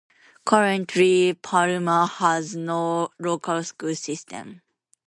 Currently, Parma has no local school system.